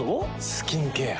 スキンケア。